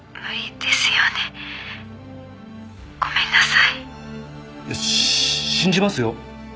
いや信じますよ。